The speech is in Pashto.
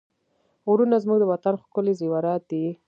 غرونه زموږ د وطن ښکلي زېورات دي.